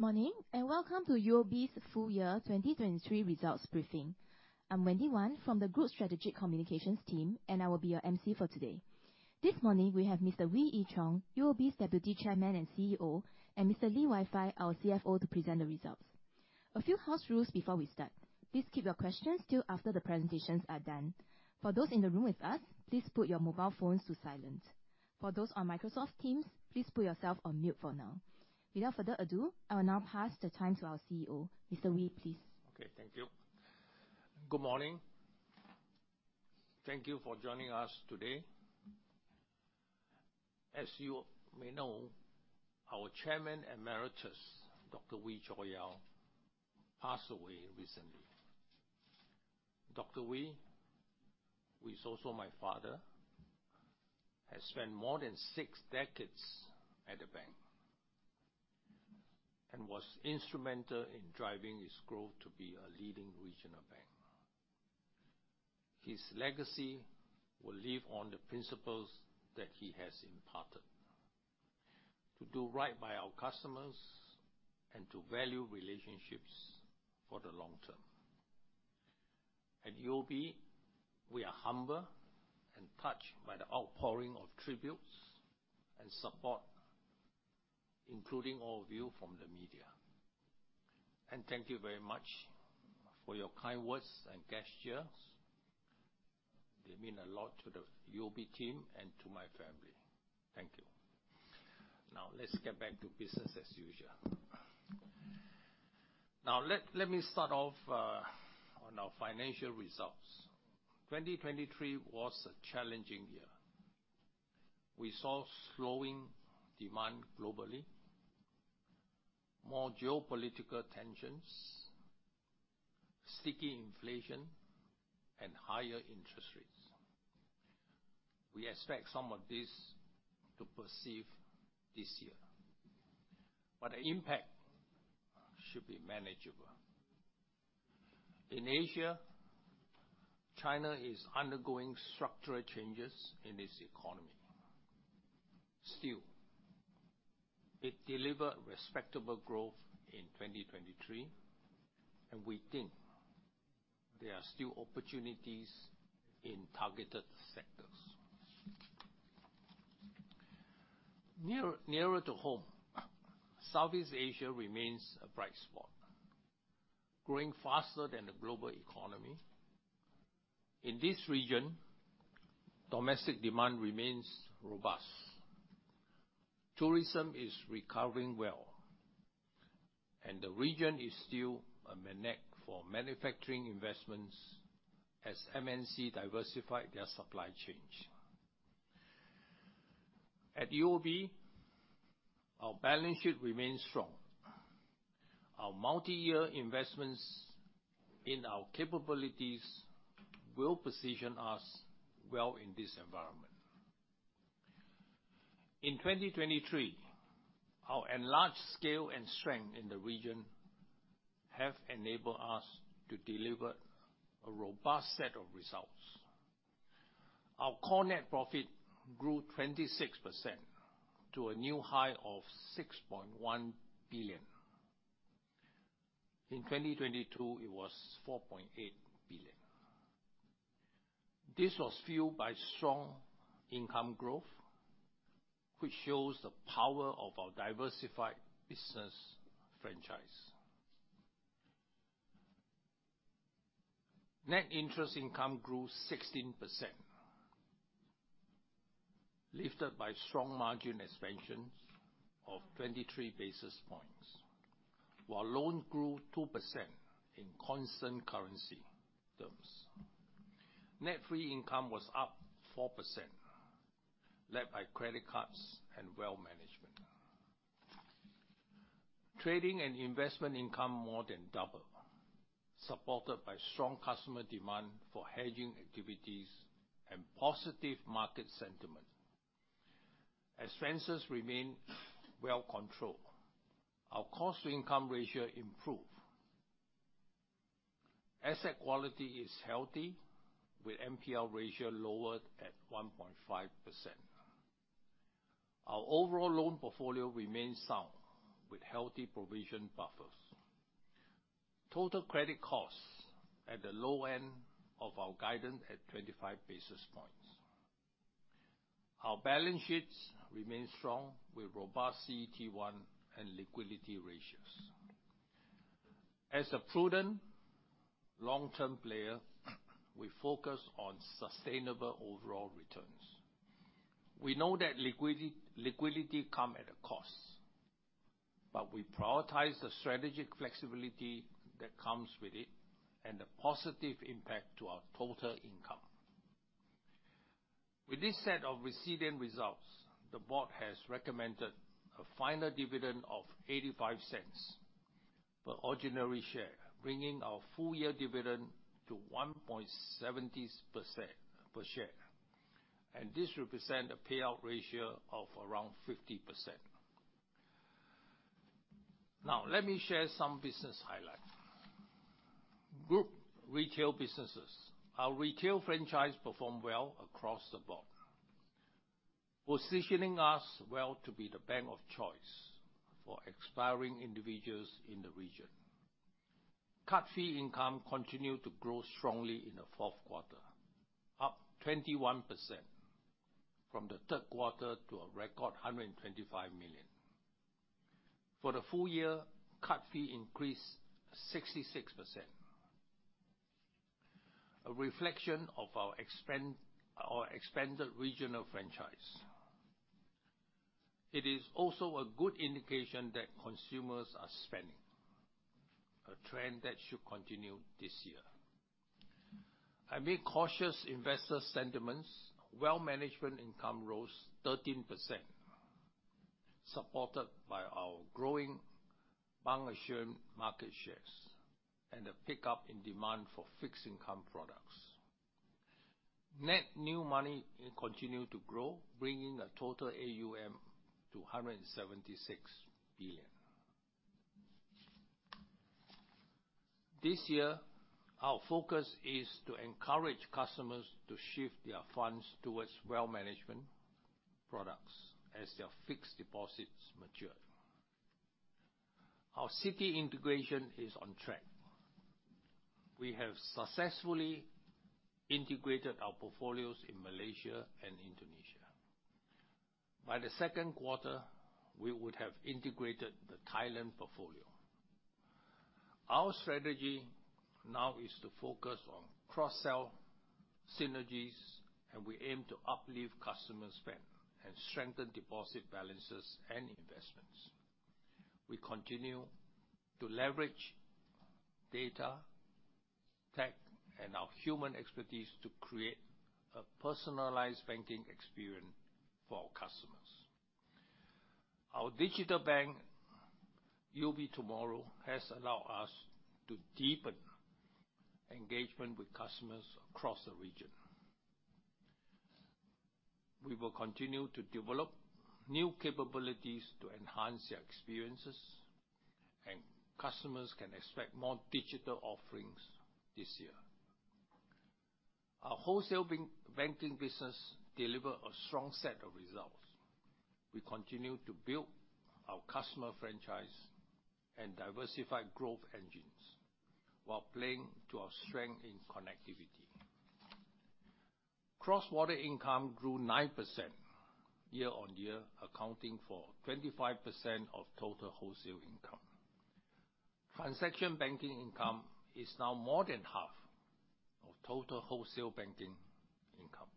Morning, and welcome to UOB's full year 2023 results briefing. I'm Wendy Wan from the Group Strategic Communications team, and I will be your MC for today. This morning, we have Mr. Wee Ee Cheong, UOB's Deputy Chairman and CEO, and Mr. Lee Wai Fai, our CFO, to present the results. A few house rules before we start. Please keep your questions till after the presentations are done. For those in the room with us, please put your mobile phones to silent. For those on Microsoft Teams, please put yourself on mute for now. Without further ado, I will now pass the time to our CEO. Mr. Wee, please. Okay. Thank you. Good morning. Thank you for joining us today. As you may know, our Chairman Emeritus, Dr. Wee Cho Yaw, passed away recently. Dr. Wee, who is also my father, has spent more than six decades at the bank and was instrumental in driving its growth to be a leading regional bank. His legacy will live on the principles that he has imparted: to do right by our customers and to value relationships for the long term. At UOB, we are humbled and touched by the outpouring of tributes and support, including all of you from the media. Thank you very much for your kind words and gestures. They mean a lot to the UOB team and to my family. Thank you. Now, let's get back to business as usual. Now, let me start off on our financial results, 2023 was a challenging year. We saw slowing demand globally, more geopolitical tensions, sticky inflation, and higher interest rates. We expect some of this to persist this year, but the impact should be manageable. In Asia, China is undergoing structural changes in its economy. Still, it delivered respectable growth in 2023, and we think there are still opportunities in targeted sectors. Nearer to home, Southeast Asia remains a bright spot, growing faster than the global economy. In this region, domestic demand remains robust. Tourism is recovering well, and the region is still a magnet for manufacturing investments as MNCs diversify their supply chains. At UOB, our balance sheet remains strong. Our multi-year investments in our capabilities will position us well in this environment. In 2023, our enlarged scale and strength in the region have enabled us to deliver a robust set of results. Our core net profit grew 26% to a new high of 6.1 billion. In 2022, it was 4.8 billion. This was fueled by strong income growth, which shows the power of our diversified business franchise. Net interest income grew 16%, lifted by strong margin expansion of 23 basis points, while loans grew 2% in constant currency terms. Net fee income was up 4%, led by credit cards and wealth management. Trading and investment income more than doubled, supported by strong customer demand for hedging activities and positive market sentiment. Expenses remain well controlled. Our cost-to-income ratio improved. Asset quality is healthy, with NPL ratio lowered at 1.5%. Our overall loan portfolio remains sound, with healthy provision buffers. Total credit costs at the low end of our guidance at 25 basis points. Our balance sheets remain strong, with robust CET1 and liquidity ratios. As a prudent long-term player, we focus on sustainable overall returns. We know that liquidity comes at a cost, but we prioritize the strategic flexibility that comes with it and the positive impact to our total income. With this set of resilient results, the board has recommended a final dividend of 0.85 per ordinary share, bringing our full year dividend to 1.70 per share, and this represents a payout ratio of around 50%. Now, let me share some business highlights. Group retail businesses. Our retail franchise performed well across the board... positioning us well to be the bank of choice for aspiring individuals in the region. Card fee income continued to grow strongly in the fourth quarter, up 21% from the third quarter to a record 125 million. For the full year, card fee increased 66%, a reflection of our expanded regional franchise. It is also a good indication that consumers are spending, a trend that should continue this year. Amid cautious investor sentiments, wealth management income rose 13%, supported by our growing bancassurance market shares and a pickup in demand for fixed income products. Net new money continued to grow, bringing the total AUM to 176 billion. This year, our focus is to encourage customers to shift their funds towards wealth management products as their fixed deposits mature. Our Citi integration is on track. We have successfully integrated our portfolios in Malaysia and Indonesia. By the second quarter, we would have integrated the Thailand portfolio. Our strategy now is to focus on cross-sell synergies, and we aim to uplift customer spend and strengthen deposit balances and investments. We continue to leverage data, tech, and our human expertise to create a personalized banking experience for our customers. Our digital bank, UOB TMRW, has allowed us to deepen engagement with customers across the region. We will continue to develop new capabilities to enhance their experiences, and customers can expect more digital offerings this year. Our wholesale banking business delivered a strong set of results. We continue to build our customer franchise and diversify growth engines while playing to our strength in connectivity. Cross-border income grew 9% year-on-year, accounting for 25% of total wholesale income. Transaction banking income is now more than half of total wholesale banking income.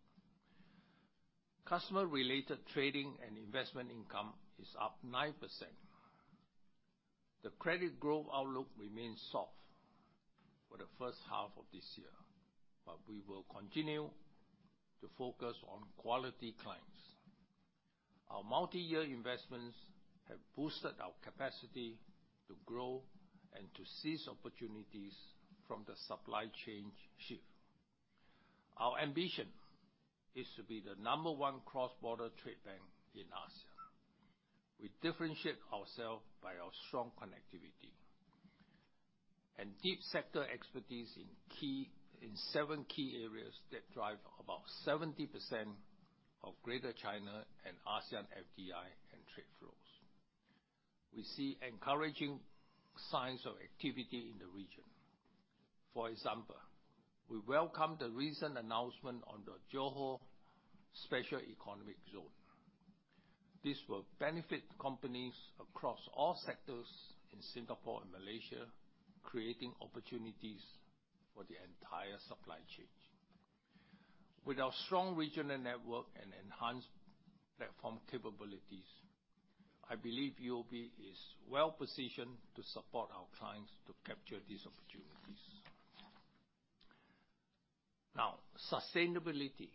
Customer-related trading and investment income is up 9%. The credit growth outlook remains soft for the first half of this year, but we will continue to focus on quality clients. Our multi-year investments have boosted our capacity to grow and to seize opportunities from the supply chain shift. Our ambition is to be the number one cross-border trade bank in ASEAN. We differentiate ourselves by our strong connectivity and deep sector expertise in seven key areas that drive about 70% of Greater China and ASEAN FDI and trade flows. We see encouraging signs of activity in the region. For example, we welcome the recent announcement on the Johor Special Economic Zone. This will benefit companies across all sectors in Singapore and Malaysia, creating opportunities for the entire supply chain. With our strong regional network and enhanced platform capabilities, I believe UOB is well-positioned to support our clients to capture these opportunities. Now, sustainability.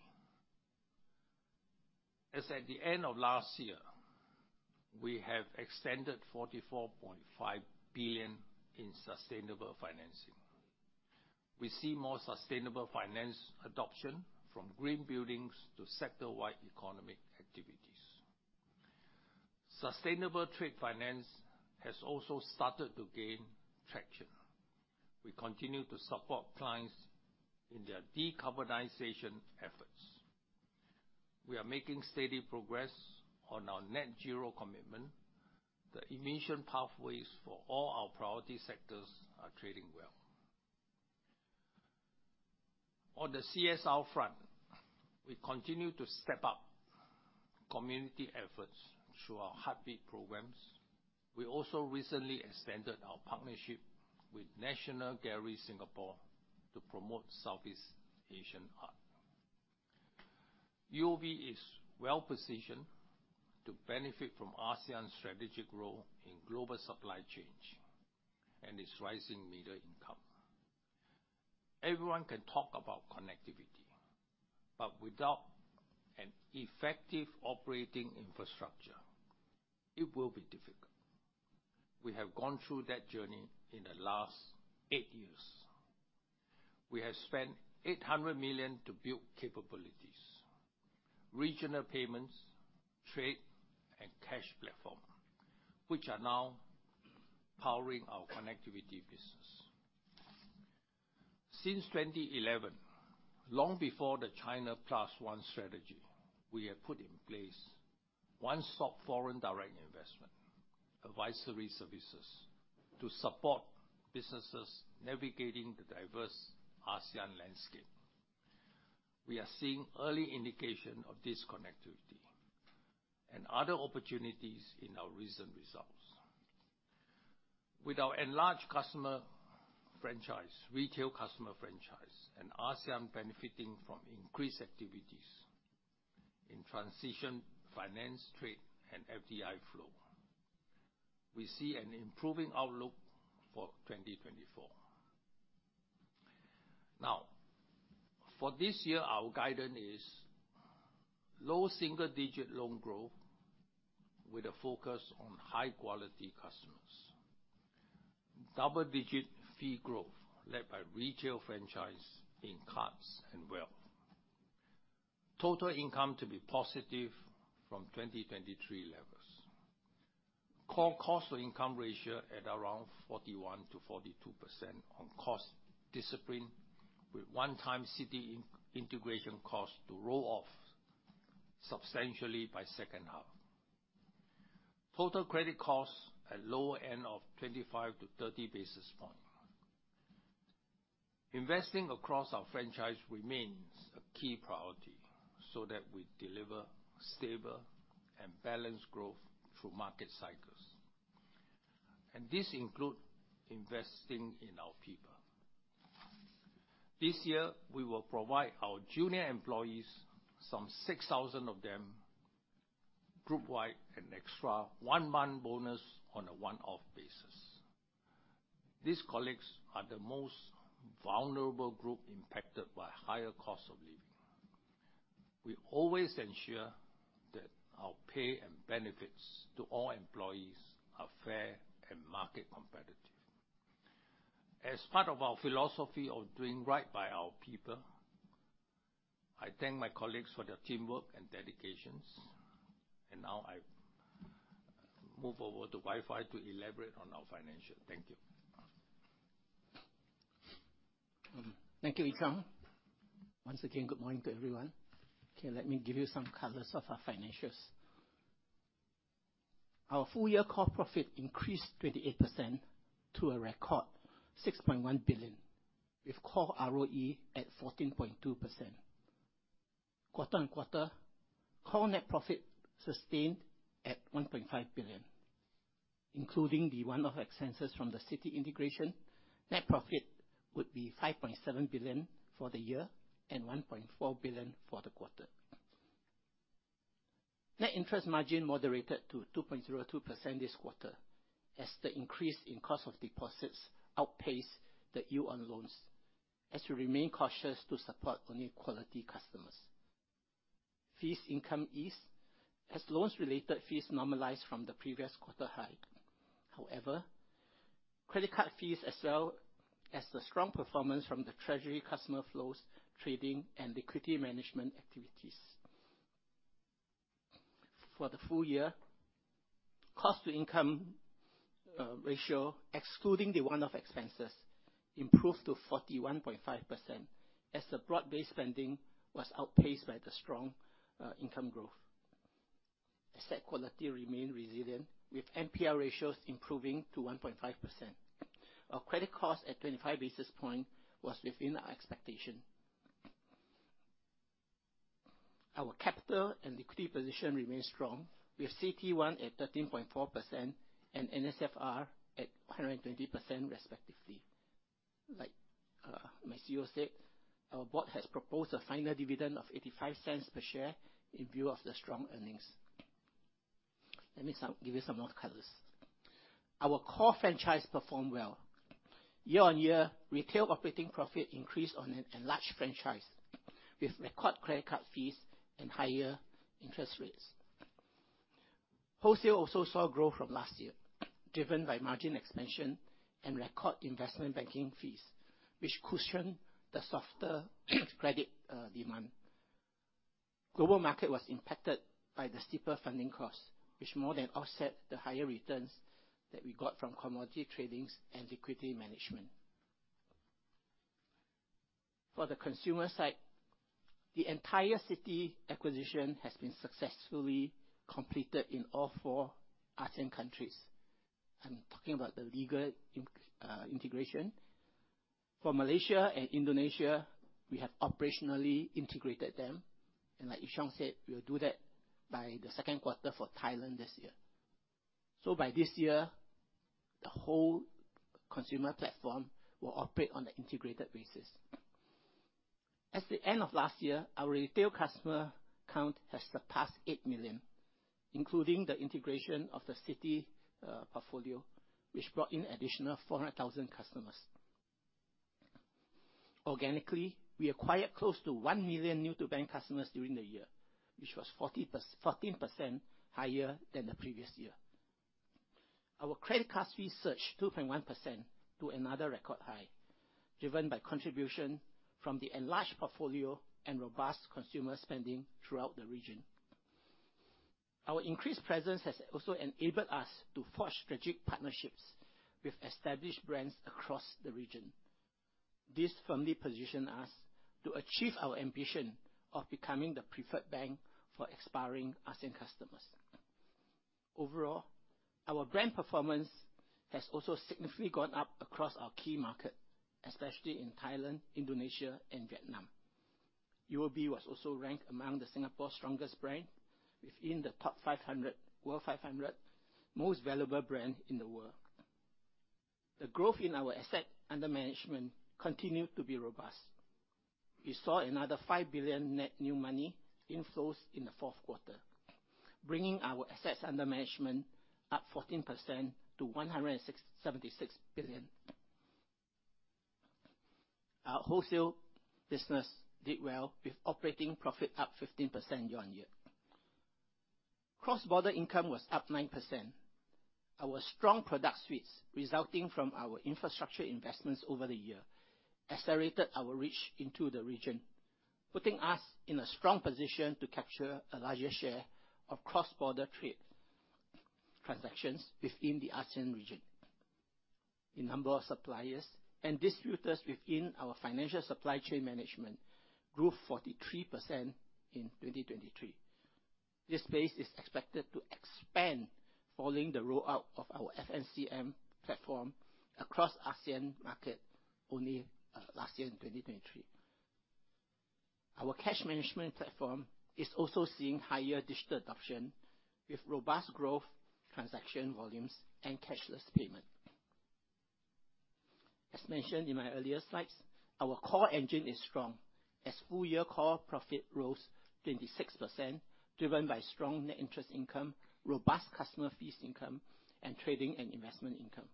As at the end of last year, we have extended 44.5 billion in sustainable financing. We see more sustainable finance adoption, from green buildings to sector-wide economic activities. Sustainable trade finance has also started to gain traction. We continue to support clients in their decarbonization efforts. We are making steady progress on our net zero commitment. The emission pathways for all our priority sectors are trading well. On the CSR front, we continue to step up community efforts through our Heartbeat programs. We also recently extended our partnership with National Gallery Singapore to promote Southeast Asian art. UOB is well-positioned to benefit from ASEAN's strategic role in global supply chains and its rising middle income. Everyone can talk about connectivity, but without an effective operating infrastructure, it will be difficult. We have gone through that journey in the last 8 years. We have spent 800 million to build capabilities, regional payments, trade, and cash platform, which are now powering our connectivity business. Since 2011, long before the China Plus One strategy, we have put in place one-stop foreign direct investment advisory services to support businesses navigating the diverse ASEAN landscape. We are seeing early indication of this connectivity and other opportunities in our recent results. With our enlarged customer franchise, retail customer franchise, and ASEAN benefiting from increased activities in transition, finance, trade, and FDI flow, we see an improving outlook for 2024. Now, for this year, our guidance is low single-digit loan growth with a focus on high-quality customers. Double-digit fee growth led by retail franchise in cards and wealth. Total income to be positive from 2023 levels. Core cost to income ratio at around 41%-42% on cost discipline, with one-time Citi integration cost to roll off substantially by second half. Total credit costs at lower end of 25-30 basis points. Investing across our franchise remains a key priority, so that we deliver stable and balanced growth through market cycles, and this include investing in our people. This year, we will provide our junior employees, some 6,000 of them, groupwide an extra one-month bonus on a one-off basis. These colleagues are the most vulnerable group impacted by higher costs of living. We always ensure that our pay and benefits to all employees are fair and market competitive. As part of our philosophy of doing right by our people, I thank my colleagues for their teamwork and dedication, and now I move over to Wai Fai to elaborate on our financials. Thank you. Thank you, Ee Cheong. Once again, good morning to everyone. Okay, let me give you some colors of our financials. Our full year core profit increased 28% to a record 6.1 billion, with core ROE at 14.2%. Quarter-on-quarter, core net profit sustained at 1.5 billion, including the one-off expenses from the Citi integration. Net profit would be 5.7 billion for the year and 1.4 billion for the quarter. Net interest margin moderated to 2.02% this quarter, as the increase in cost of deposits outpaced the yield on loans, as we remain cautious to support only quality customers. Fee income eased as loans-related fees normalized from the previous quarter high. However, credit card fees, as well as the strong performance from the treasury customer flows, trading, and liquidity management activities. For the full year, cost-to-income ratio, excluding the one-off expenses, improved to 41.5%, as the broad-based spending was outpaced by the strong income growth. Asset quality remained resilient, with NPL ratios improving to 1.5%. Our credit cost at 25 basis points was within our expectation. Our capital and liquidity position remains strong, with CET1 at 13.4% and NSFR at 120% respectively. Like, my CEO said, our board has proposed a final dividend of 0.85 per share in view of the strong earnings. Let me give you some more colors. Our core franchise performed well. Year-on-year, retail operating profit increased on an enlarged franchise, with record credit card fees and higher interest rates. Wholesale also saw growth from last year, driven by margin expansion and record investment banking fees, which cushioned the softer credit demand. Global market was impacted by the steeper funding costs, which more than offset the higher returns that we got from commodity tradings and liquidity management. For the consumer side, the entire Citi acquisition has been successfully completed in all four ASEAN countries. I'm talking about the legal integration. For Malaysia and Indonesia, we have operationally integrated them, and like Wee Ee Cheong said, we will do that by the second quarter for Thailand this year. So by this year, the whole consumer platform will operate on an integrated basis. At the end of last year, our retail customer count has surpassed 8 million, including the integration of the Citi portfolio, which brought in an additional 400,000 customers. Organically, we acquired close to 1 million New-to-Bank customers during the year, which was 14% higher than the previous year. Our credit card fees surged 2.1% to another record high, driven by contribution from the enlarged portfolio and robust consumer spending throughout the region. Our increased presence has also enabled us to forge strategic partnerships with established brands across the region. This firmly positions us to achieve our ambition of becoming the preferred bank for aspiring ASEAN customers. Overall, our brand performance has also significantly gone up across our key markets, especially in Thailand, Indonesia, and Vietnam. UOB was also ranked among Singapore's strongest brands, within the world's top 500 most valuable brands in the world. The growth in our assets under management continued to be robust. We saw another 5 billion net new money inflows in the fourth quarter, bringing our assets under management up 14% to SGD 176 billion. Our wholesale business did well, with operating profit up 15% year-on-year. Cross-border income was up 9%. Our strong product suites, resulting from our infrastructure investments over the year, accelerated our reach into the region, putting us in a strong position to capture a larger share of cross-border trade transactions within the ASEAN region. The number of suppliers and distributors within our financial supply chain management grew 43% in 2023. This base is expected to expand following the rollout of our FSCM platform across ASEAN market, only, last year, in 2023. Our cash management platform is also seeing higher digital adoption, with robust growth, transaction volumes, and cashless payment. As mentioned in my earlier slides, our core engine is strong, as full-year core profit rose 26%, driven by strong net interest income, robust customer fees income, and trading and investment income.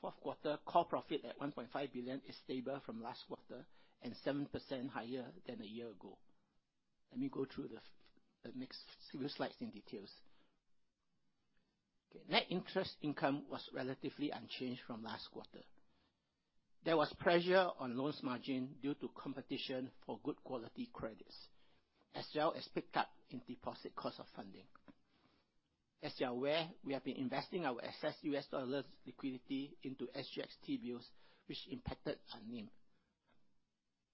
Fourth quarter core profit at 1.5 billion is stable from last quarter and 7% higher than a year ago. Let me go through the next few slides in details. Okay, net interest income was relatively unchanged from last quarter. There was pressure on loans margin due to competition for good quality credits, as well as pick up in deposit cost of funding. As you are aware, we have been investing our excess U.S. dollars liquidity into SGS T-bills, which impacted our NIM.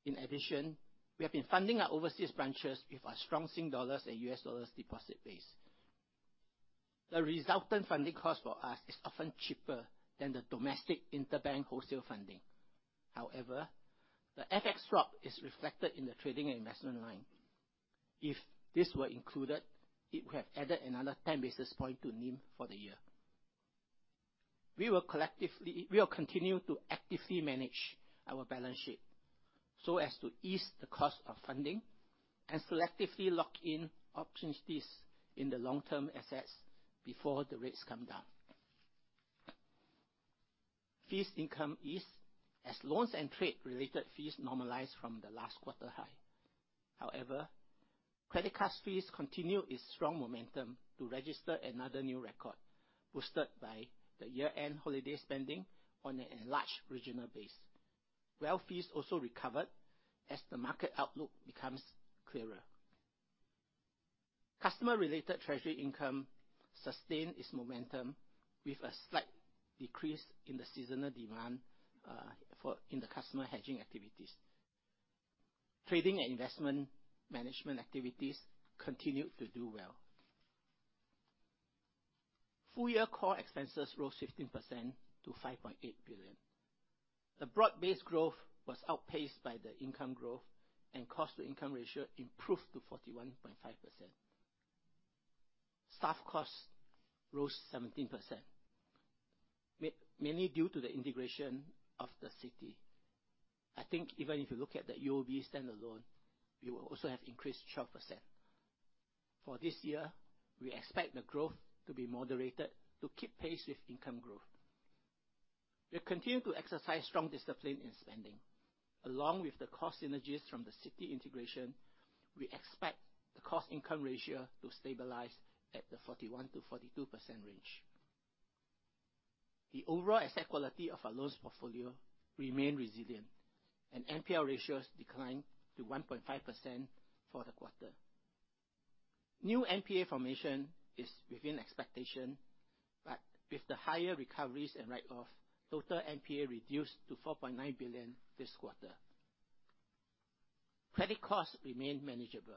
In addition, we have been funding our overseas branches with our strong Sing dollars and U.S. dollars deposit base. The resultant funding cost for us is often cheaper than the domestic interbank wholesale funding. However, the FX swap is reflected in the trading and investment line. If this were included, it would have added another 10 basis point to NIM for the year. We will continue to actively manage our balance sheet so as to ease the cost of funding and selectively lock in opportunities in the long-term assets before the rates come down. Fees income is, as loans and trade-related fees normalize from the last quarter high. However, credit card fees continue its strong momentum to register another new record, boosted by the year-end holiday spending on an enlarged regional base. Wealth fees also recovered as the market outlook becomes clearer. Customer-related treasury income sustained its momentum with a slight decrease in the seasonal demand for in the customer hedging activities. Trading and investment management activities continued to do well. Full-year core expenses rose 15% to 5.8 billion. The broad-based growth was outpaced by the income growth, and cost-to-income ratio improved to 41.5%. Staff costs rose 17%, mainly due to the integration of Citi. I think even if you look at the UOB standalone, we will also have increased 12%. For this year, we expect the growth to be moderated to keep pace with income growth. We continue to exercise strong discipline in spending. Along with the cost synergies from the Citi integration, we expect the cost income ratio to stabilize at the 41%-42% range. The overall asset quality of our loans portfolio remain resilient, and NPL ratios declined to 1.5% for the quarter. New NPA formation is within expectation, but with the higher recoveries and write-off, total NPA reduced to 4.9 billion this quarter. Credit costs remain manageable.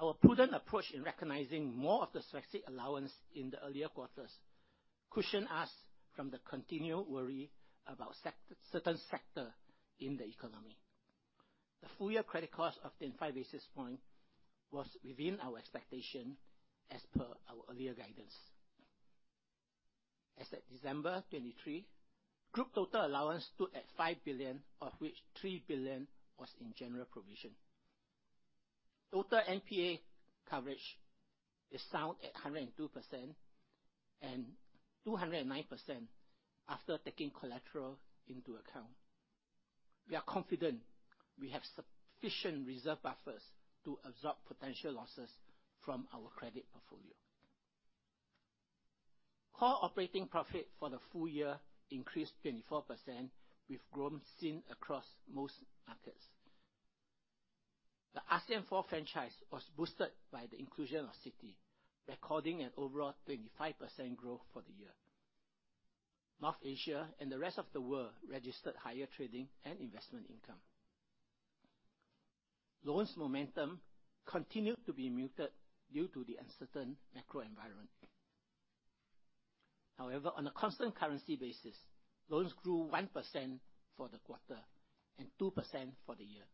Our prudent approach in recognizing more of the specific allowance in the earlier quarters, cushion us from the continued worry about certain sector in the economy. The full year credit cost of 105 basis point was within our expectation as per our earlier guidance. As at December 2023, group total allowance stood at 5 billion, of which 3 billion was in general provision. Total NPA coverage is sound at 102%, and 209% after taking collateral into account. We are confident we have sufficient reserve buffers to absorb potential losses from our credit portfolio. Core operating profit for the full year increased 24%, with growth seen across most markets. The ASEAN Four franchise was boosted by the inclusion of Citi, recording an overall 25% growth for the year. North Asia and the rest of the world registered higher trading and investment income. Loans momentum continued to be muted due to the uncertain macro environment. However, on a constant currency basis, loans grew 1% for the quarter, and 2% for the year.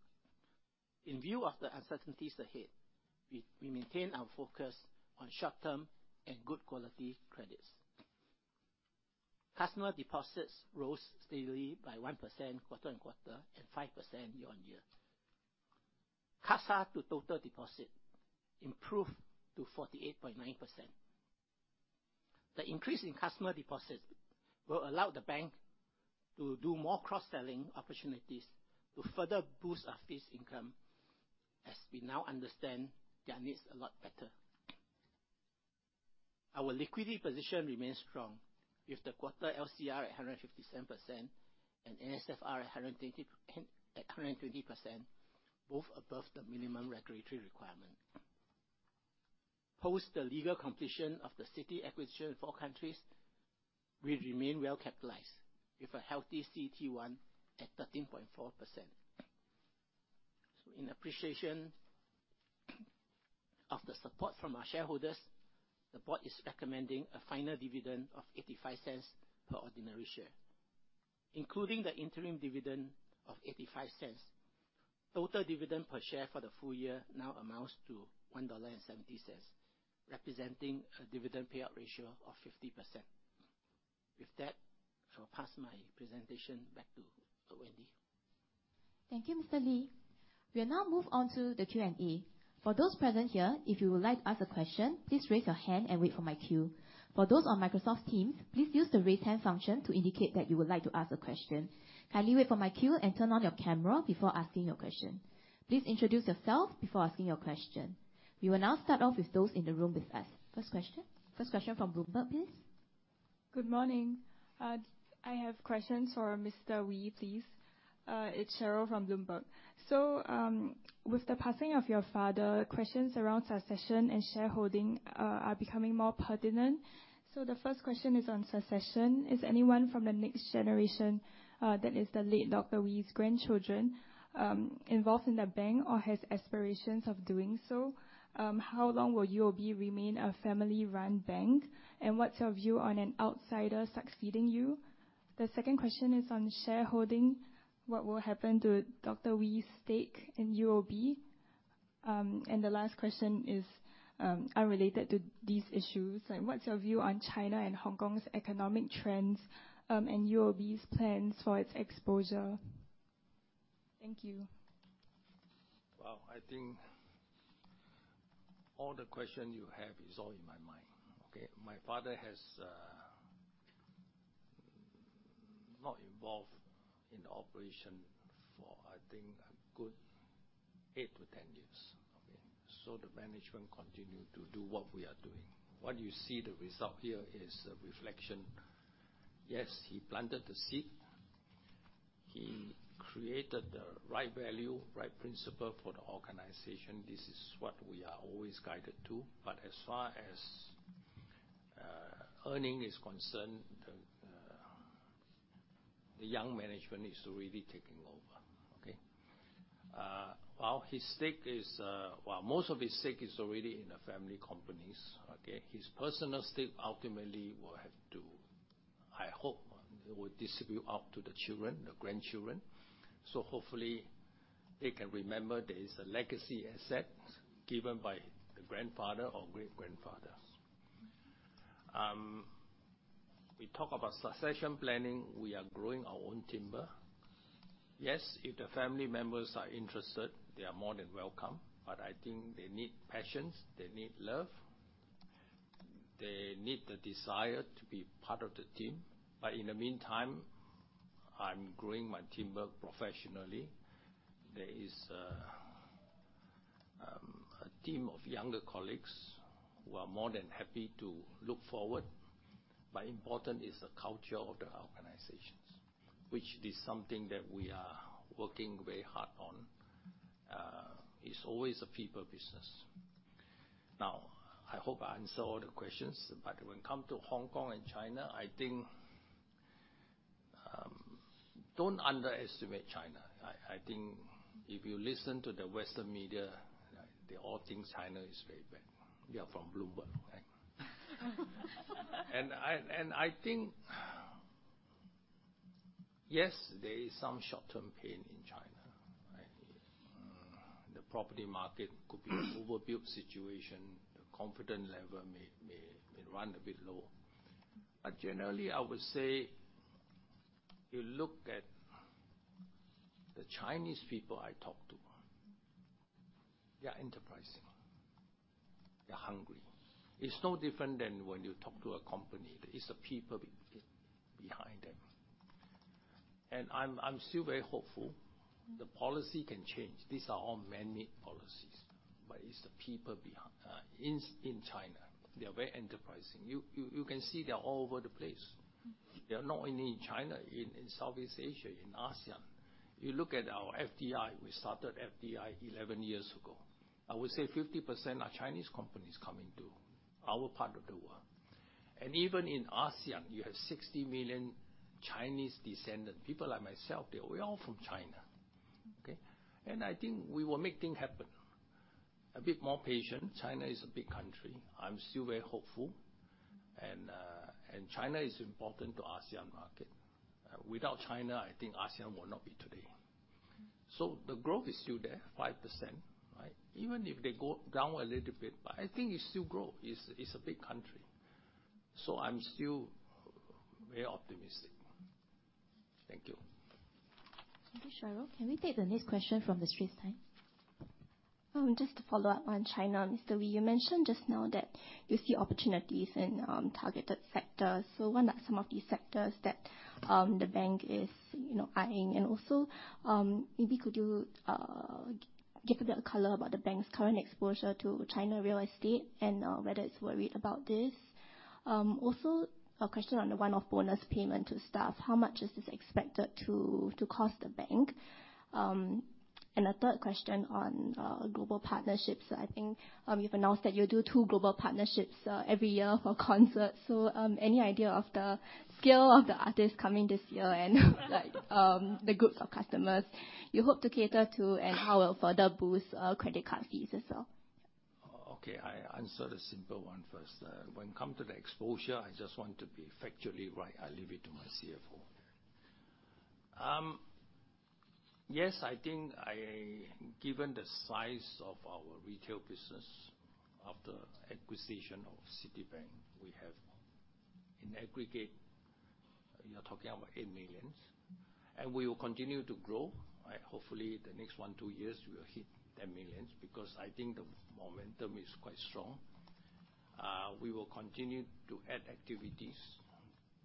In view of the uncertainties ahead, we maintain our focus on short-term and good quality credits. Customer deposits rose steadily by 1% quarter-on-quarter, and 5% year-on-year. CASA to total deposit improved to 48.9%. The increase in customer deposits will allow the bank to do more cross-selling opportunities to further boost our fees income, as we now understand their needs a lot better. Our liquidity position remains strong, with the quarter LCR at 157% and NSFR at 120%, both above the minimum regulatory requirement. Post the legal completion of the Citi acquisition in four countries, we remain well capitalized, with a healthy CET1 at 13.4%. So in appreciation of the support from our shareholders, the board is recommending a final dividend of 0.85 per ordinary share. Including the interim dividend of 0.85, total dividend per share for the full year now amounts to SGD 1.70, representing a dividend payout ratio of 50%. With that, I'll pass my presentation back to Wendy. Thank you, Mr. Lee. We will now move on to the Q&A. For those present here, if you would like to ask a question, please raise your hand and wait for my cue. For those on Microsoft Teams, please use the Raise Hand function to indicate that you would like to ask a question. Kindly wait for my cue and turn on your camera before asking your question. Please introduce yourself before asking your question. We will now start off with those in the room with us. First question. First question from Bloomberg, please. Good morning. I have questions for Mr. Wee, please. It's Sheryl from Bloomberg. So, with the passing of your father, questions around succession and shareholding are becoming more pertinent. So the first question is on succession. Is anyone from the next generation, that is the late Dr. Wee's grandchildren, involved in the bank or has aspirations of doing so? How long will UOB remain a family-run bank, and what's your view on an outsider succeeding you? The second question is on shareholding. What will happen to Dr. Wee's stake in UOB? And the last question is, unrelated to these issues, and what's your view on China and Hong Kong's economic trends, and UOB's plans for its exposure? Thank you. Well, I think all the question you have is all in my mind, okay? My father has not involved in the operation for, I think, a good 8-10 years, okay? So the management continue to do what we are doing. What you see the result here is a reflection. Yes, he planted the seed. He created the right value, right principle for the organization. This is what we are always guided to. But as far as earning is concerned, the young management is really taking over, okay? Well, his stake is, well, most of his stake is already in the family companies, okay? His personal stake ultimately will have to, I hope, will distribute out to the children, the grandchildren, so hopefully, they can remember there is a legacy asset given by the grandfather or great-grandfather. We talk about succession planning. We are growing our own timber. Yes, if the family members are interested, they are more than welcome, but I think they need patience, they need love, they need the desire to be part of the team. But in the meantime, I'm growing my timber professionally. There is a team of younger colleagues who are more than happy to look forward, but important is the culture of the organizations, which is something that we are working very hard on. It's always a people business. Now, I hope I answered all the questions, but when it come to Hong Kong and China, I think, don't underestimate China. I think if you listen to the Western media, they all think China is very bad. You are from Bloomberg, right? And I think, yes, there is some short-term pain in China, right? The property market could be an overbuilt situation. The confidence level may run a bit low. But generally, I would say, you look at the Chinese people I talk to, they are enterprising, they're hungry. It's no different than when you talk to a company. It's the people behind them. And I'm still very hopeful the policy can change. These are all man-made policies, but it's the people behind. In China, they are very enterprising. You can see they are all over the place. They are not only in China, in Southeast Asia, in ASEAN. You look at our FDI. We started FDI 11 years ago. I would say 50% are Chinese companies coming to our part of the world. And even in ASEAN, you have 60 million Chinese descendants. People like myself, they're all from China, okay? And I think we will make things happen. A bit more patient. China is a big country. I'm still very hopeful. And, and China is important to ASEAN market. Without China, I think ASEAN will not be today. So the growth is still there, 5%, right? Even if they go down a little bit, but I think it's still growth. It's, it's a big country. So I'm still very optimistic. Thank you. Thank you, Sheryl. Can we take the next question from the Straits Times? Just to follow up on China, Mr. Wee, you mentioned just now that you see opportunities in targeted sectors. So what are some of these sectors that the bank is, you know, eyeing? And also, maybe could you give a bit of color about the bank's current exposure to China real estate and whether it's worried about this? Also a question on the one-off bonus payment to staff. How much is this expected to cost the bank? And a third question on global partnerships. I think you've announced that you'll do two global partnerships every year for concerts. So any idea of the scale of the artists coming this year, and the groups of customers you hope to cater to, and how it will further boost credit card fees as well? Okay, I answer the simple one first. When it come to the exposure, I just want to be factually right. I leave it to my CFO. Yes, I think given the size of our retail business, after acquisition of Citibank, we have in aggregate, you're talking about 8 million. And we will continue to grow. Hopefully, the next 1-2 years, we will hit 10 million, because I think the momentum is quite strong. We will continue to add activities,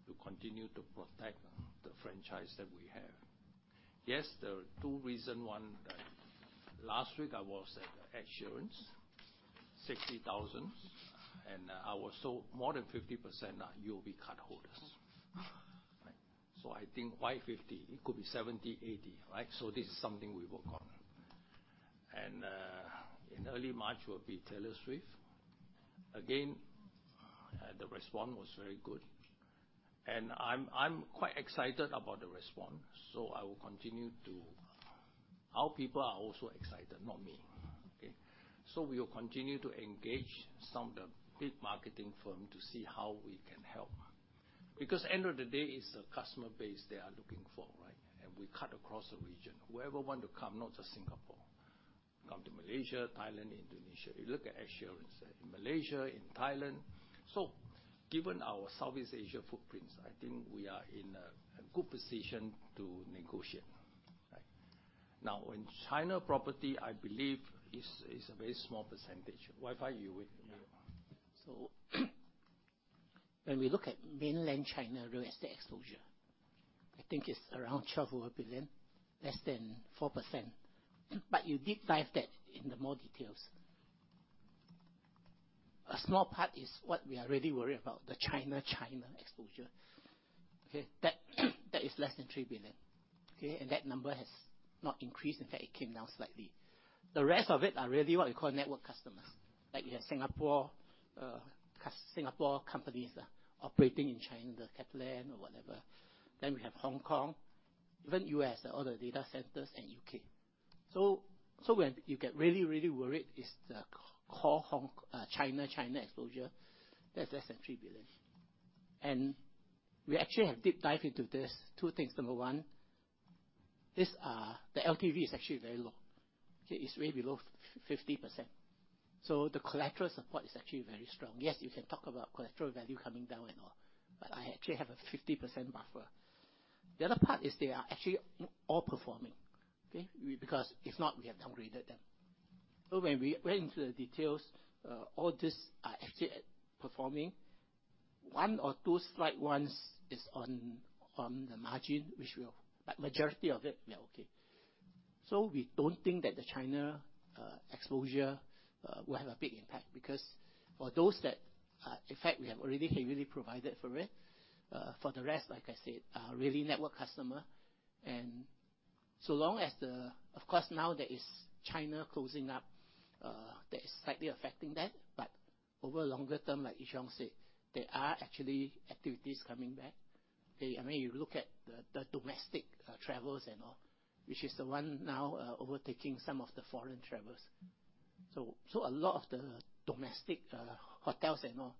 to continue to protect the franchise that we have. Yes, there are two reasons. One, last week, I was at Ed Sheeran's, 60,000, and I was sold more than 50% are UOB cardholders. So I think why 50? It could be 70, 80, right? So this is something we work on. And, in early March will be Taylor Swift. Again, the response was very good. And I'm quite excited about the response, so I will continue to... Our people are also excited, not me, okay? So we will continue to engage some of the big marketing firm to see how we can help. Because end of the day, it's a customer base they are looking for, right? And we cut across the region. Whoever want to come, not just Singapore. Come to Malaysia, Thailand, Indonesia. You look at Ed Sheeran in Malaysia, in Thailand. So given our Southeast Asia footprints, I think we are in a good position to negotiate, right? Now, in China property, I believe is a very small percentage. Why you would know? So when we look at mainland China real estate exposure, I think it's around 12 billion, less than 4%. But you deep dive that in the more details. A small part is what we are really worried about, the China, China exposure. Okay? That, that is less than 3 billion, okay? And that number has not increased. In fact, it came down slightly. The rest of it are really what we call network customers. Like, we have Singapore, Singapore companies operating in China, the CapitaLand or whatever. Then we have Hong Kong, even U.S., all the data centers, and U.K. So, so when you get really, really worried, is the Hong Kong, China, China exposure, that's less than 3 billion. And we actually have deep dive into this. Two things: number one, this, the LTV is actually very low. It is way below 50%, so the collateral support is actually very strong. Yes, you can talk about collateral value coming down and all, but I actually have a 50% buffer. The other part is they are actually all performing, okay? Because if not, we have downgraded them. So when we went into the details, all these are actually performing. One or two slight ones is on the margin, which will. But majority of it, we are okay. So we don't think that the China exposure will have a big impact because for those that, in fact, we have already heavily provided for it. For the rest, like I said, are really network customer. And so long as the. Of course, now there is China closing up, that is slightly affecting that. But over longer term, like Ee Cheong said, there are actually activities coming back. They, I mean, you look at the, the domestic, travels and all, which is the one now, overtaking some of the foreign travels. So, so a lot of the domestic, hotels and all,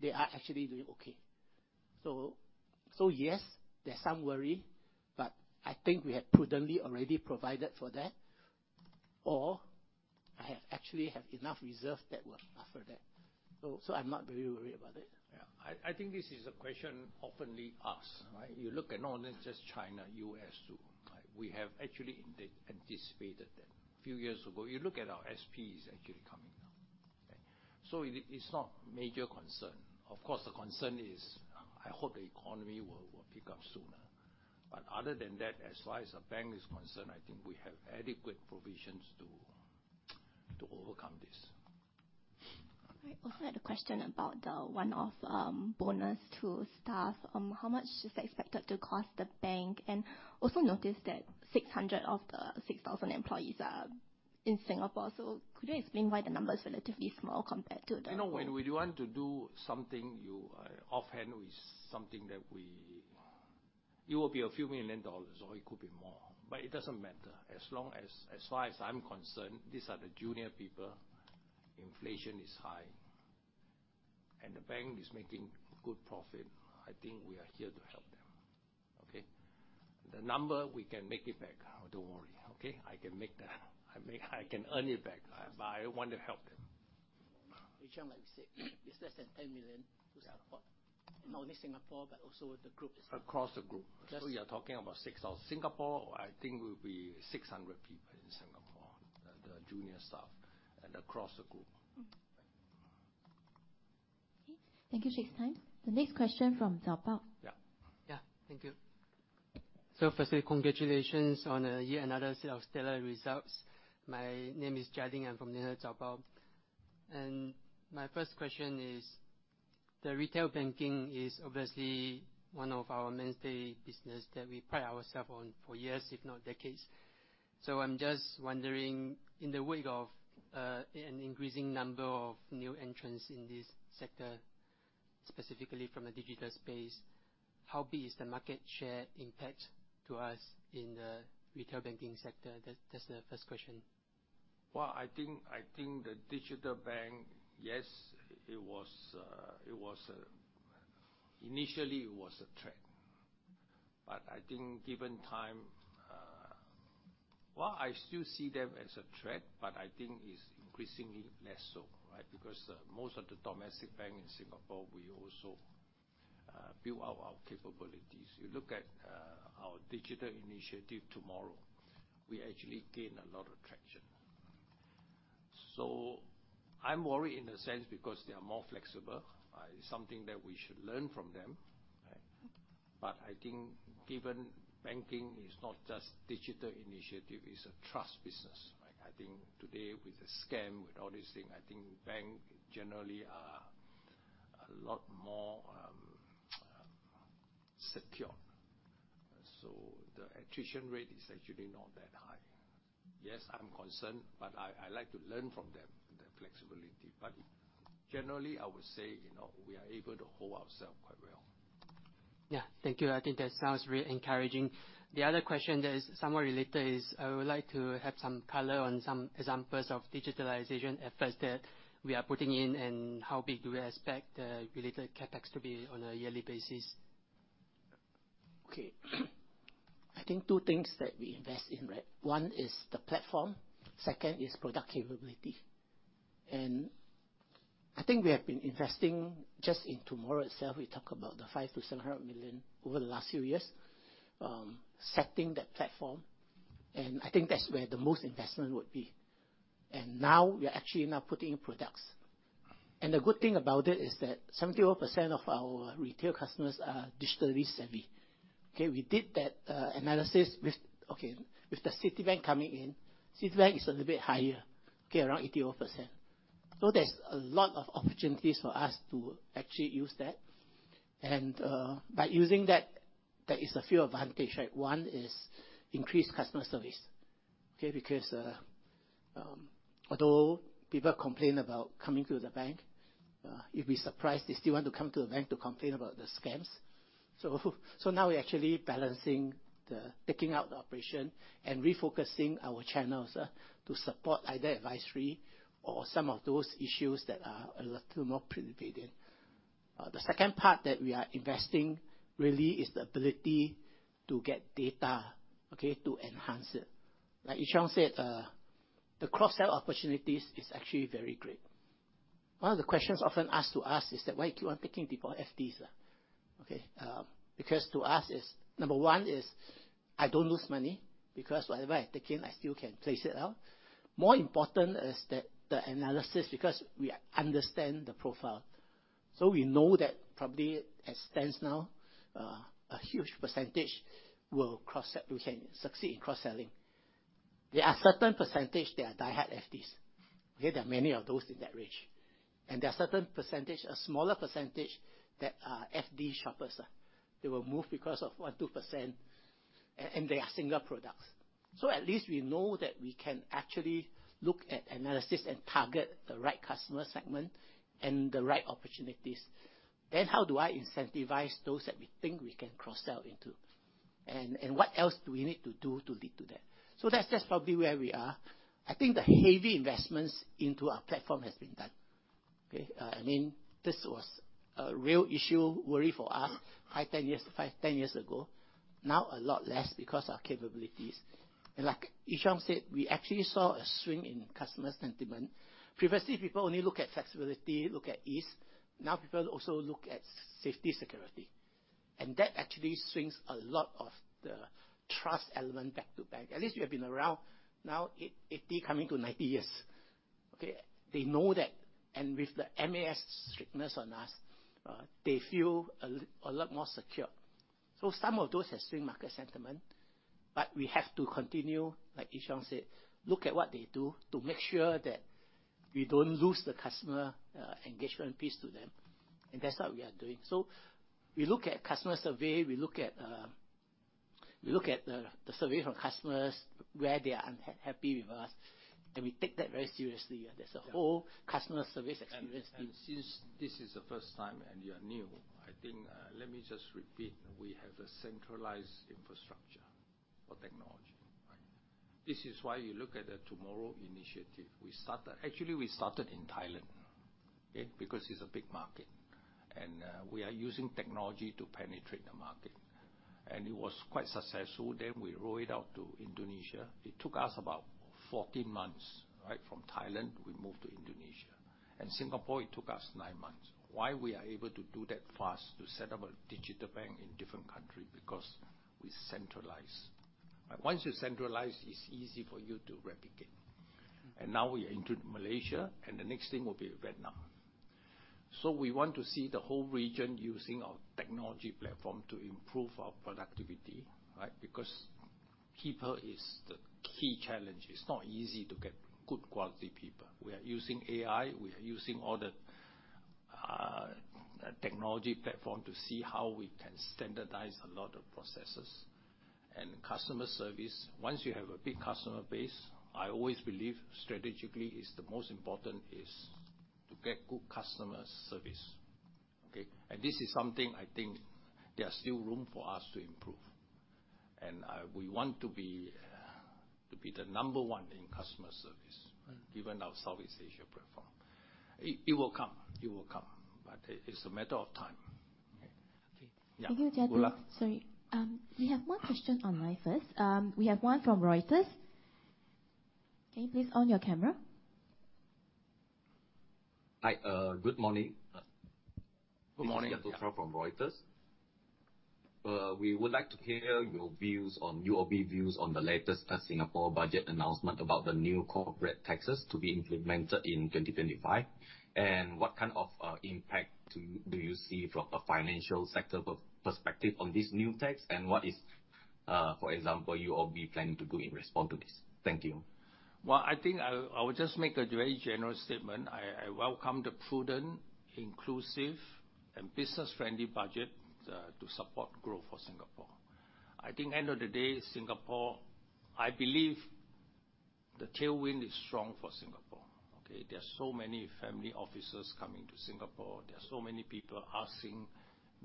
they are actually doing okay. So, so, yes, there's some worry, but I think we have prudently already provided for that, or I actually have enough reserve that will offer that. So, so I'm not very worried about it. Yeah. I, I think this is a question often asked, right? You look at not only just China, U.S., too, right? We have actually indeed anticipated that. Few years ago, you look at our SPs actually coming.... So it, it's not major concern. Of course, the concern is, I hope the economy will, will pick up sooner. But other than that, as far as the bank is concerned, I think we have adequate provisions to, to overcome this. I also had a question about the one-off bonus to staff. How much is that expected to cost the bank? And also noticed that 600 of the 6,000 employees are in Singapore. So could you explain why the number is relatively small compared to the.? You know, when we want to do something, you offhand is something that we it will be a few million SGD, or it could be more, but it doesn't matter. As long as, as far as I'm concerned, these are the junior people. Inflation is high, and the bank is making good profit. I think we are here to help them, okay? The number, we can make it back. Don't worry, okay? I can make that. I can earn it back, but I want to help them. Which, like we said, is less than 10 million to support, not only Singapore, but also the group. Across the group. Yes. So you're talking about 6,000. Singapore, I think, will be 600 people in Singapore, the junior staff and across the group. Mm-hmm. Okay, thank you, Straits Times. The next question from Zaobao. Yeah. Thank you. So firstly, congratulations on yet another set of stellar results. My name is Jia Ding. I'm from the Zaobao. And my first question is, the retail banking is obviously one of our mainstay business that we pride ourselves on for years, if not decades. So I'm just wondering, in the wake of an increasing number of new entrants in this sector, specifically from a digital space, how big is the market share impact to us in the retail banking sector? That, that's the first question. Well, I think, I think the digital bank, yes, it was, it was... Initially, it was a threat. But I think given time, well, I still see them as a threat, but I think it's increasingly less so, right? Because, most of the domestic bank in Singapore, we also, build out our capabilities. You look at, our digital initiative TMRW, we actually gain a lot of traction. So I'm worried in a sense, because they are more flexible, something that we should learn from them, right? But I think given banking is not just digital initiative, it's a trust business, right? I think today, with the scam, with all these things, I think bank generally are a lot more, secure. So the attrition rate is actually not that high. Yes, I'm concerned, but I, I like to learn from them, their flexibility. Generally, I would say, you know, we are able to hold ourself quite well. Yeah. Thank you. I think that sounds really encouraging. The other question that is somewhat related is, I would like to have some color on some examples of digitalization efforts that we are putting in, and how big do you expect related CapEx to be on a yearly basis? Okay. I think two things that we invest in, right? One is the platform, second is product capability. And I think we have been investing just in TMRW itself. We talk about the 500 million-700 million over the last few years, setting that platform, and I think that's where the most investment would be. And now we are actually now putting in products. And the good thing about it is that 71% of our retail customers are digitally savvy. Okay, we did that analysis with the Citibank coming in, Citibank is a little bit higher, okay, around 81%. So there's a lot of opportunities for us to actually use that. And, by using that, there is a few advantage, right? One, is increased customer service, okay? Because, although people complain about coming to the bank, you'd be surprised they still want to come to the bank to complain about the scams. So now we're actually balancing the taking out the operation and refocusing our channels to support either advisory or some of those issues that are a little more precipitated. The second part that we are investing, really, is the ability to get data, okay, to enhance it. Like Ee Cheong said, the cross-sell opportunities is actually very great. One of the questions often asked to us is that, "Why you keep on taking people FDs?" Okay, because to us, is-- number one is, I don't lose money, because whatever I take in, I still can place it out. More important is that the analysis, because we understand the profile. So we know that probably it stands now, a huge percentage will cross-sell—we can succeed in cross-selling. There are certain percentage that are diehard FDs, okay? There are many of those in that range. And there are certain percentage, a smaller percentage, that are FD shoppers. They will move because of 1%-2%, and they are similar products. So at least we know that we can actually look at analysis and target the right customer segment and the right opportunities. Then how do I incentivize those that we think we can cross-sell into? And, and what else do we need to do to lead to that? So that's just probably where we are. I think the heavy investments into our platform has been done. Okay, I mean, this was a real issue, worry for us, 5-10 years, 5-10 years ago. Now, a lot less because our capabilities. And like Ee Cheong said, we actually saw a swing in customer sentiment. Previously, people only look at flexibility, look at ease. Now, people also look at safety, security... and that actually swings a lot of the trust element back to bank. At least we have been around now, 80 years coming to 90 years. Okay? They know that. And with the MAS strictness on us, they feel a lot more secure. So some of those have swing market sentiment, but we have to continue, like Ee Cheong said, look at what they do to make sure that we don't lose the customer engagement piece to them, and that's what we are doing. So we look at customer survey, we look at the survey from customers, where they are unhappy with us, and we take that very seriously. And there's a whole customer service experience. Since this is the first time and you are new, I think, let me just repeat, we have a centralized infrastructure for technology, right? This is why you look at the TMRW initiative. We started—actually, we started in Thailand, okay? Because it's a big market, and we are using technology to penetrate the market. And it was quite successful, then we roll it out to Indonesia. It took us about 14 months, right? From Thailand, we moved to Indonesia. And Singapore, it took us nine months. Why we are able to do that fast, to set up a digital bank in different country? Because we centralize. Once you centralize, it's easy for you to replicate. And now we entered Malaysia, and the next thing will be Vietnam. So we want to see the whole region using our technology platform to improve our productivity, right? Because people is the key challenge. It's not easy to get good quality people. We are using AI, we are using all the technology platform to see how we can standardize a lot of processes. And customer service, once you have a big customer base, I always believe strategically is the most important is to get good customer service, okay? And this is something I think there are still room for us to improve, and we want to be to be the number one in customer service even our Southeast Asia platform. It will come, but it's a matter of time. Okay. Yeah. Thank you, gentlemen. Goola? Sorry, we have one question online first. We have one from Reuters. Can you please turn on your camera? Hi, good morning. Good morning. This is Yantoultra from Reuters. We would like to hear your views on UOB's views on the latest Singapore budget announcement about the new corporate taxes to be implemented in 2025. What kind of impact do you see from a financial sector perspective on this new tax? What is, for example, UOB planning to do in response to this? Thank you. Well, I think I, I will just make a very general statement. I, I welcome the prudent, inclusive, and business-friendly budget to support growth for Singapore. I think end of the day, Singapore, I believe the tailwind is strong for Singapore, okay? There are so many family offices coming to Singapore. There are so many people asking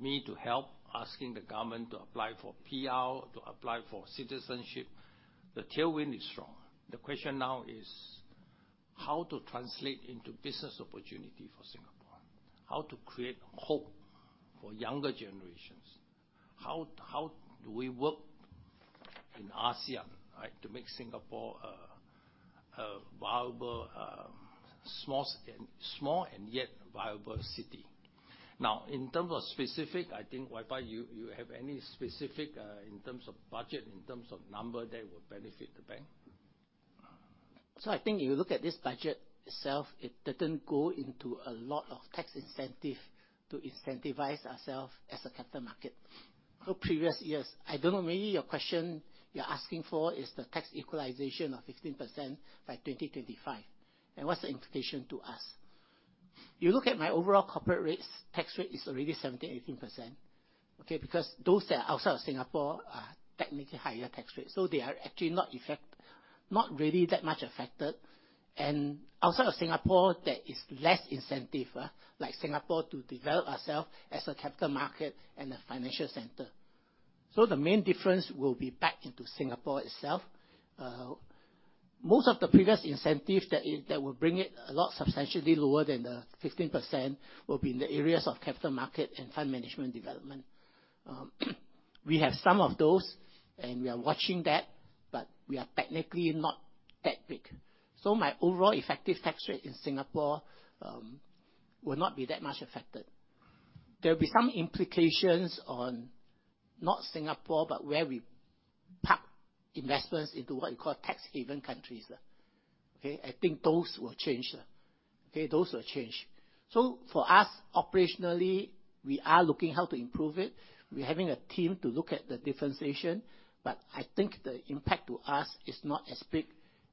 me to help, asking the government to apply for PR, to apply for citizenship. The tailwind is strong. The question now is, how to translate into business opportunity for Singapore? How to create hope for younger generations? How, how do we work in ASEAN, right? To make Singapore a, a viable small and yet viable city. Now, in terms of specific, I think, Wai Fai, you, you have any specific in terms of budget, in terms of number, that will benefit the bank? So I think you look at this budget itself, it didn't go into a lot of tax incentive to incentivize ourself as a capital market. So previous years, I don't know, maybe your question, you're asking for is the tax equalization of 15% by 2025, and what's the implication to us? You look at my overall corporate rates, tax rate is already 17%-18%, okay? Because those that are outside of Singapore are technically higher tax rates, so they are actually not really that much affected. And outside of Singapore, there is less incentive, like Singapore, to develop ourself as a capital market and a financial center. So the main difference will be back into Singapore itself. Most of the previous incentives that will bring it a lot substantially lower than the 15%, will be in the areas of capital market and fund management development. We have some of those, and we are watching that, but we are technically not that big. So my overall effective tax rate in Singapore, will not be that much affected. There will be some implications on, not Singapore, but where we park investments into what you call tax haven countries, okay? I think those will change. Okay, those will change. So for us, operationally, we are looking how to improve it. We're having a team to look at the differentiation, but I think the impact to us is not as big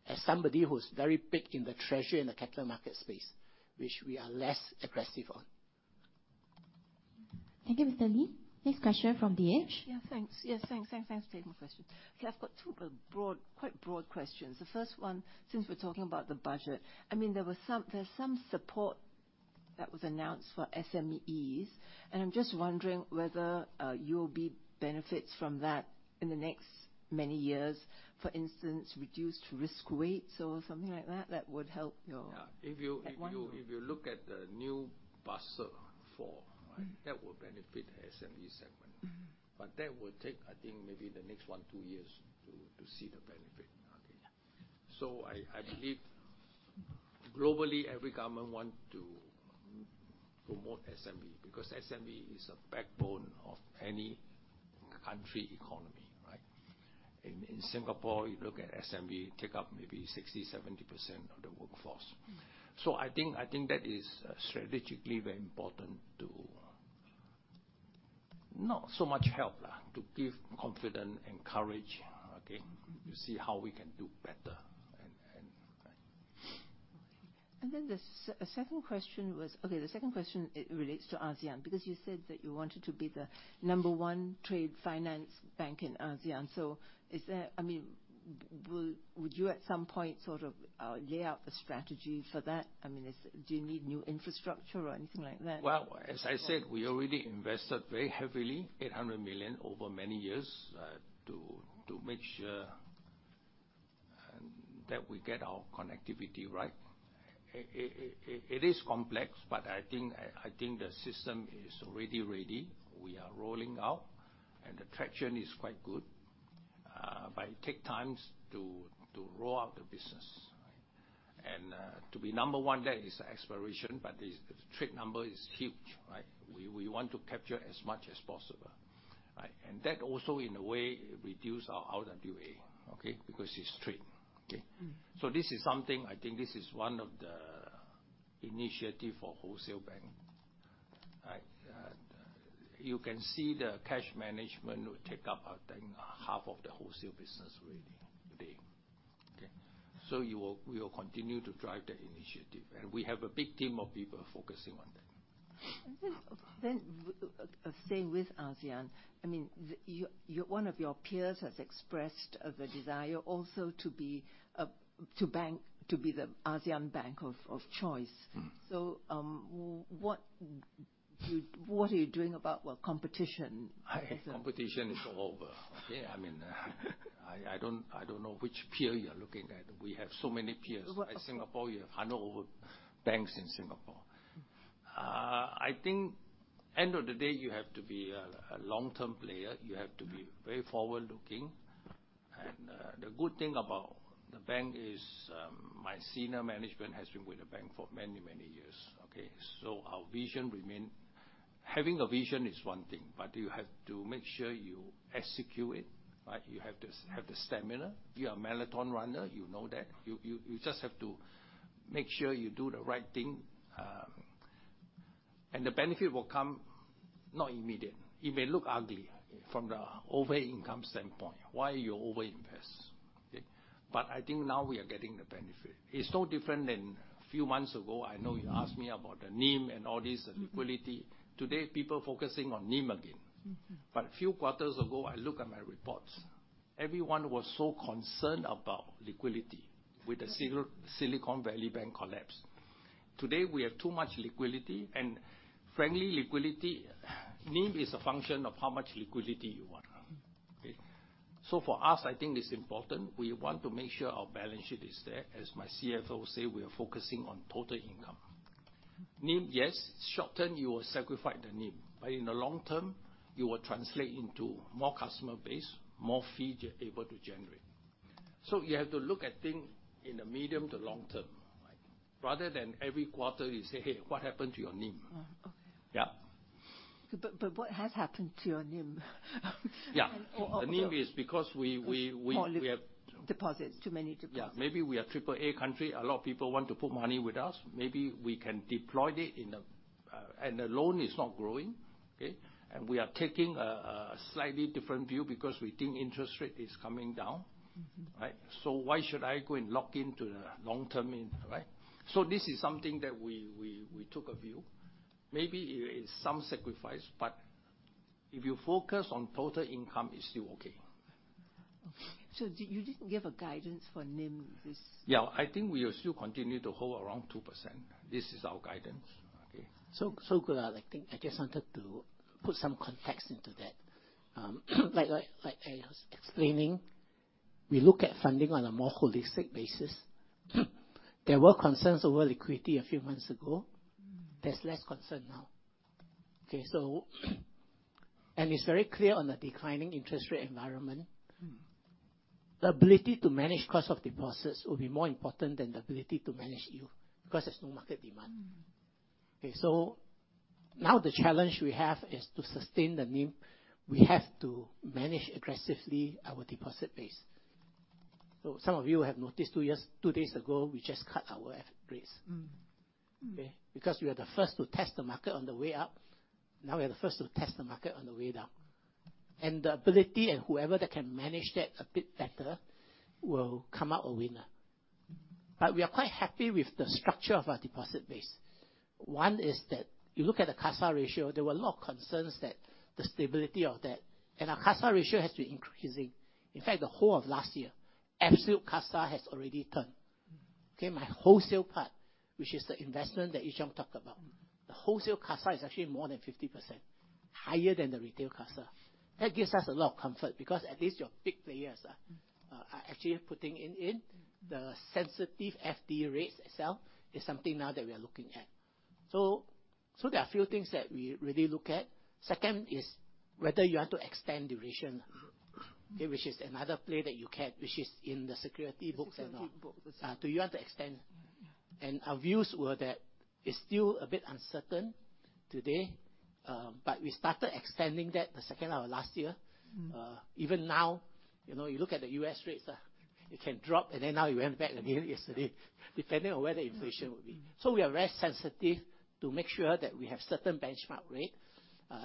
as somebody who's very big in the treasury and the capital market space, which we are less aggressive on. Thank you, Mr. Lee. Next question from The Edge. Yeah, thanks. Yes, thanks, thanks, thanks for taking my question. Okay, I've got two broad, quite broad questions. The first one, since we're talking about the budget, I mean, there was some—there's some support that was announced for SMEs, and I'm just wondering whether UOB benefits from that in the next many years. For instance, reduced risk weights or something like that, that would help your that one? If you look at the new Basel IV, right, that will benefit SME segment. But that will take, I think, maybe the next 1-2 years to see the benefit out there. So I believe globally, every government want to promote SME, because SME is a backbone of any country economy, right? In Singapore, you look at SME, take up maybe 60%-70% of the workforce I think, I think that is strategically very important to, not so much help, to give confidence and courage, okay? To see how we can do better, and, and. And then the second question was—okay, the second question, it relates to ASEAN, because you said that you wanted to be the number one trade finance bank in ASEAN. So is there—I mean, would you, at some point, sort of, lay out a strategy for that? I mean, is—do you need new infrastructure or anything like that? Well, as I said, we already invested very heavily, 800 million over many years, to make sure that we get our connectivity right. It is complex, but I think the system is already ready. We are rolling out, and the traction is quite good. But it take times to roll out the business, right? And to be number one, that is the aspiration, but the trade number is huge, right? We want to capture as much as possible, right? And that also, in a way, reduce our RWA, okay? Because it's trade, okay. So this is something... I think this is one of the initiative for wholesale bank, right? You can see the cash management will take up, I think, half of the wholesale business really big, okay? So we will continue to drive the initiative, and we have a big team of people focusing on that. And then, staying with ASEAN, I mean, you, one of your peers has expressed the desire also to be a, to bank, to be the ASEAN bank of choice. What are you doing about, well, competition? Competition is all over. Okay, I mean, I don't know which peer you're looking at. We have so many peers. Well, but. In Singapore, you have 100 over banks in Singapore. I think, end of the day, you have to be a long-term player. You have to be very forward-looking. The good thing about the bank is, my senior management has been with the bank for many, many years, okay? So our vision remain. Having a vision is one thing, but you have to make sure you execute it, right? You have to have the stamina. If you're a marathon runner, you know that. You just have to make sure you do the right thing, and the benefit will come, not immediate. It may look ugly from the operating income standpoint. Why you over-invest, okay? But I think now we are getting the benefit. It's no different than a few months ago, I know you asked me about the NIM and all this, the liquidity. Today, people focusing on NIM again. A few quarters ago, I look at my reports, everyone was so concerned about liquidity with the Silicon Valley Bank collapse. Today, we have too much liquidity, and frankly, liquidity, NIM is a function of how much liquidity you want. Okay? So for us, I think it's important. We want to make sure our balance sheet is there. As my CFO say, we are focusing on total income. NIM, yes, short term, you will sacrifice the NIM, but in the long term, you will translate into more customer base, more fee you're able to generate. So you have to look at things in the medium to long term, right? Rather than every quarter, you say, "Hey, what happened to your NIM? Uh, okay. Yeah. But what has happened to your NIM? Yeah. Or, or- The NIM is because we have. Deposits, too many deposits. Yeah, maybe we are AAA country. A lot of people want to put money with us. Maybe we can deploy it in a, and the loan is not growing, okay? And we are taking a slightly different view because we think interest rate is coming down, right? So why should I go and lock into the long term, right? So this is something that we took a view. Maybe it is some sacrifice, but if you focus on total income, it's still okay. Okay. So you didn't give a guidance for NIM this? Yeah, I think we will still continue to hold around 2%. This is our guidance, okay? So, got it. I think I just wanted to put some context into that. Like I was explaining, we look at funding on a more holistic basis. There were concerns over liquidity a few months ago. There's less concern now. Okay, so and it's very clear on the declining interest rate environment the ability to manage cost of deposits will be more important than the ability to manage yield, because there's no market demand. Okay, so now the challenge we have is to sustain the NIM. We have to manage aggressively our deposit base. So some of you have noticed 2 years, 2 days ago, we just cut our FD rates. Okay? Because we are the first to test the market on the way up, now we are the first to test the market on the way down. And the ability and whoever that can manage that a bit better, will come out a winner. But we are quite happy with the structure of our deposit base. One is that you look at the CASA ratio. There were a lot of concerns that the stability of that, and our CASA ratio has been increasing. In fact, the whole of last year, absolute CASA has already turned. Okay? My wholesale part, which is the investment that Ee Cheong talked about, the wholesale CASA is actually more than 50%, higher than the retail CASA. That gives us a lot of comfort, because at least your big players are actually putting in it. The sensitive FD rates itself is something now that we are looking at. So, so there are a few things that we really look at. Second is whether you want to extend the duration. Which is another play that you can, which is in the securities books and all. Securities books. Do you want to extend? And our views were that it's still a bit uncertain today, but we started extending that the second half of last year. Even now, you know, you look at the U.S. rates, it can drop, and then now it went back again yesterday, depending on where the inflation will be. So we are very sensitive to make sure that we have certain benchmark rate.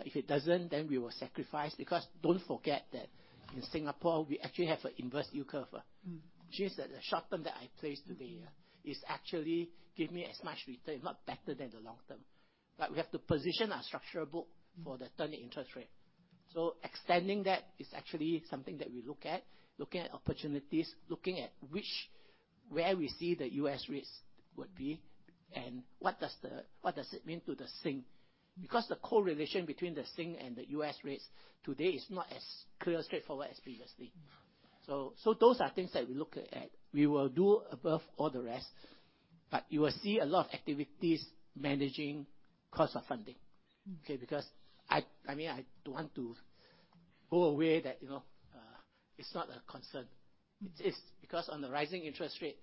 If it doesn't, then we will sacrifice, because don't forget that in Singapore, we actually have a inverse yield curve. Which is that the short term that I placed today, is actually give me as much return, if not better, than the long term. But we have to position our structural book for the turning interest rate. So extending that is actually something that we look at, looking at opportunities, looking at where we see the U.S. risks would be, and what does it mean to the Sing? Because the correlation between the Sing and the U.S. rates today is not as clear, straightforward as previously. So, so those are things that we look at. We will do above all the rest, but you will see a lot of activities managing cost of funding, okay? Because I mean, I don't want to go away that, you know, it's not a concern. It is, because on the rising interest rate,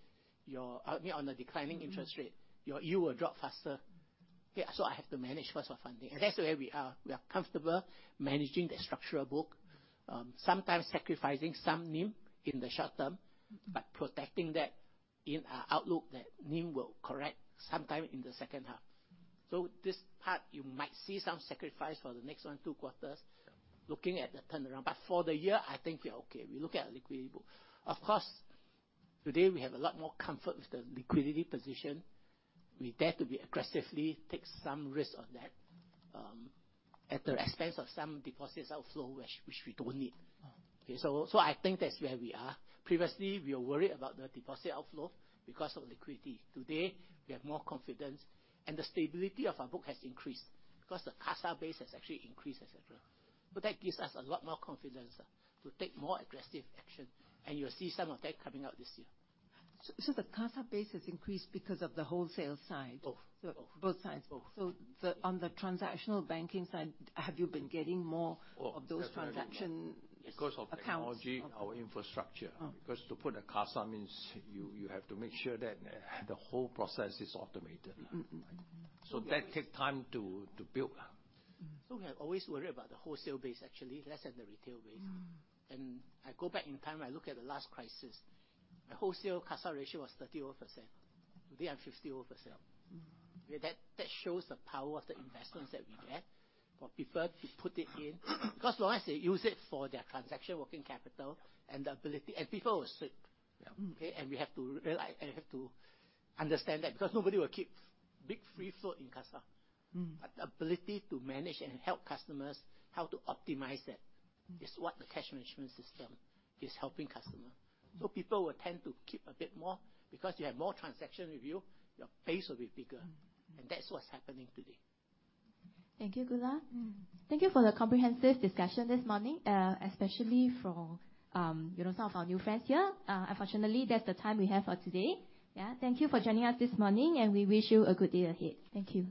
on the declining interest rate your yield will drop faster. Okay, so I have to manage cost of funding. And that's the way we are. We are comfortable managing the structural book, sometimes sacrificing some NIM in the short term but protecting that in our outlook, that NIM will correct sometime in the second half. This part, you might see some sacrifice for the next 1-2 quarters looking at the turnaround. But for the year, I think we are okay. We look at our liquidity book. Of course, today we have a lot more comfort with the liquidity position. We dare to be aggressively take some risk on that, at the expense of some deposits outflow, which we don't need. Okay, so, so I think that's where we are. Previously, we were worried about the deposit outflow because of liquidity. Today, we have more confidence, and the stability of our book has increased because the CASA base has actually increased, et cetera. But that gives us a lot more confidence to take more aggressive action, and you'll see some of that coming out this year. So, the CASA base has increased because of the wholesale side? Both. Both sides. Both. On the transactional banking side, have you been getting more... Oh, definitely. Of those transaction? Because of. Accounts? Technology, our infrastructure. Oh. Because to put a CASA means you have to make sure that the whole process is automated. That takes time to build. We are always worried about the wholesale base, actually, less than the retail base. I go back in time, I look at the last crisis, the wholesale CASA ratio was 31%. Today, I'm 51%. That, that shows the power of the investments that we get for people to put it in. Because long as they use it for their transaction, working capital and the ability, and people will sleep. Yeah. Okay? And we have to realize, and we have to understand that, because nobody will keep big free flow in CASA. But the ability to manage and help customers how to optimize that is what the cash management system is helping customer. So people will tend to keep a bit more because you have more transaction with you. Your base will be bigger. That's what's happening today. Thank you, Goola. Thank you for the comprehensive discussion this morning, especially for, you know, some of our new friends here. Unfortunately, that's the time we have for today. Yeah, thank you for joining us this morning, and we wish you a good day ahead. Thank you.